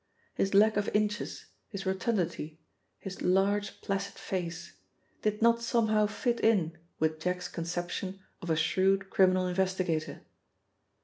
His lack of inches, his rotundity, his large placid face, did not somehow fit in with Jack's conception of a shrewd criminal investigator.